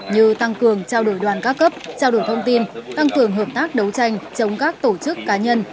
như tăng cường trao đổi đoàn các cấp trao đổi thông tin tăng cường hợp tác đấu tranh chống các tổ chức cá nhân